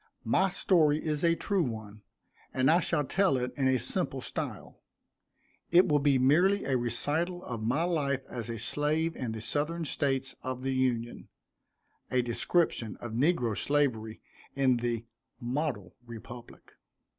My story is a true one, and I shall tell it in a simple style. It will be merely a recital of my life as a slave in the Southern States of the Union a description of negro slavery in the "model Republic."